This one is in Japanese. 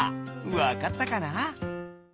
わかったかな？